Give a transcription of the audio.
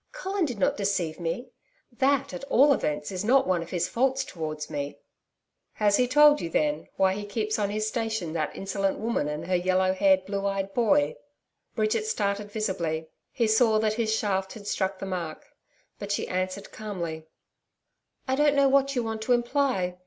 Colin did not deceive me. That, at all events, is not one of his faults towards me.' 'Has he told you, then, why he keeps on his station that insolent woman and her yellow haired blue eyed boy?' Bridget started visibly. He saw that his shaft had struck the mark. But she answered calmly: 'I don't know what you want to imply.